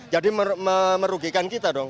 jadi merugikan kita dong